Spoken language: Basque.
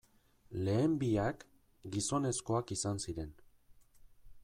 Lehen biak, gizonezkoak izan ziren.